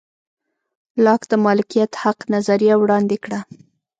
لاک د مالکیت حق نظریه وړاندې کړه.